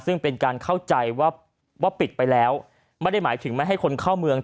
ซึ่งเป็นการเข้าใจว่าว่าปิดไปแล้วไม่ได้หมายถึงไม่ให้คนเข้าเมือง